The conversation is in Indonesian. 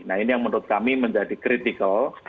nah ini yang menurut kami menjadi kritikal